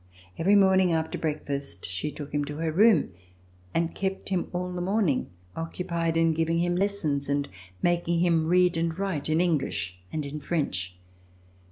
Every morning after break fast she took him to her room and kept him all the morning, occupied in giving him lessons and making him read and write in English and in French.